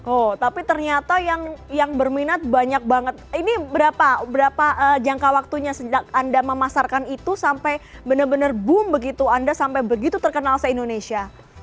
oh tapi ternyata yang berminat banyak banget ini berapa jangka waktunya sejak anda memasarkan itu sampai benar benar boom begitu anda sampai begitu terkenal se indonesia